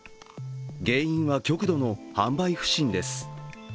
原因は極度の販売不振です。